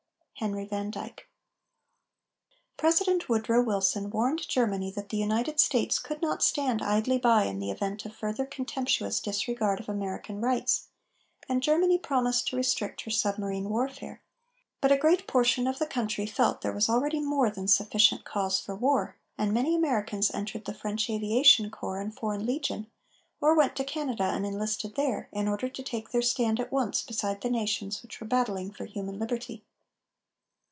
HENRY VAN DYKE. President Woodrow Wilson warned Germany that the United States could not stand idly by in the event of further contemptuous disregard of American rights, and Germany promised to restrict her submarine warfare; but a great portion of the country felt there was already more than sufficient cause for war, and many Americans entered the French aviation corps and Foreign Legion, or went to Canada and enlisted there, in order to take their stand at once beside the nations which were battling for human liberty.